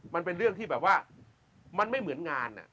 มันเป็นเรื่องที่แบบว่ามันไม่เหมือนงาน